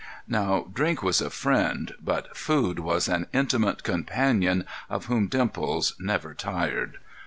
Now, drink was a friend, but food was an intimate companion of whom Dimples never tired.